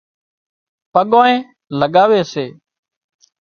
پڳانئي لڳاوي سي